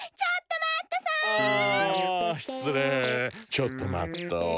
ちょっと待っと！